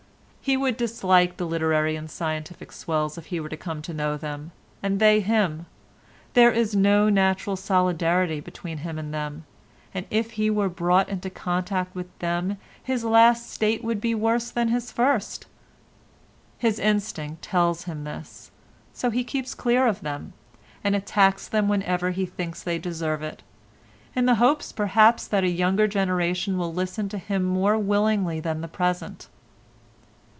He would dislike the literary and scientific swells if he were to come to know them and they him; there is no natural solidarity between him and them, and if he were brought into contact with them his last state would be worse than his first. His instinct tells him this, so he keeps clear of them, and attacks them whenever he thinks they deserve it—in the hope, perhaps, that a younger generation will listen to him more willingly than the present."